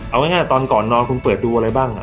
เอาง่ายตอนก่อนนอนคุณเปิดดูอะไรบ้าง